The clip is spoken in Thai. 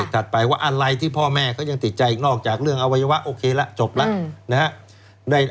ถัดไปว่าอะไรที่พ่อแม่เขายังติดใจนอกจากเรื่องอวัยวะโอเคแล้วจบแล้วนะครับ